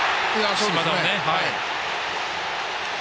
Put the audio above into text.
島田をね。